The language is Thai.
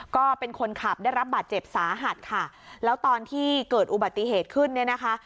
ก็เป็นคนขับได้รับบาดเจ็บสาหัสค่ะแล้วตอนที่เกิดอุบัติเหตุขึ้นเนี่ยนะคะ